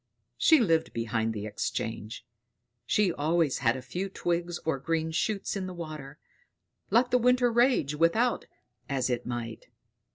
She lived behind the Exchange. She always had a few twigs or green shoots in water let the winter rage without as it might.